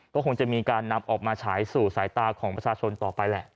ก็คงจะมีการนำออกมาฉายสู่สายตาของประชาชนต่อไปแหละ